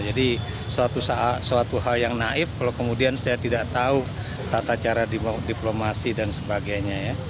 jadi suatu hal yang naif kalau kemudian saya tidak tahu tata cara diplomasi dan sebagainya